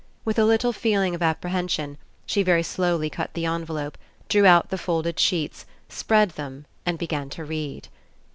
With a lit tle feeling of apprehension, she very slowly cut the envelope, drew out the folded sheets, spread them, and began to read.